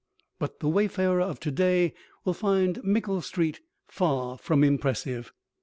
But the wayfarer of to day will find Mickle Street far from impressive.